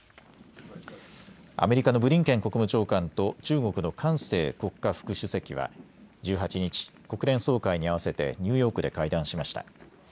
アメリカのブリンケン国務長官と中国の韓正国家副主席は１８日、国連総会に合わせてニューヨークで会談しました。